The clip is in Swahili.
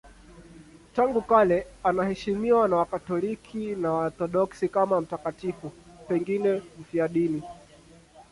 Tangu kale anaheshimiwa na Wakatoliki na Waorthodoksi kama mtakatifu, pengine mfiadini.